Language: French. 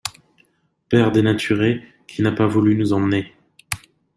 Père dénaturé, qui n'a pas voulu nous emmener !